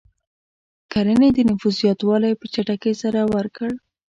کرنې د نفوس زیاتوالی په چټکۍ سره ورکړ.